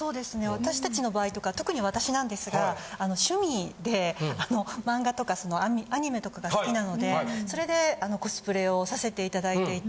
私たちの場合とか特に私なんですが趣味で漫画とかアニメとかが好きなのでそれでコスプレをさせていただいていて。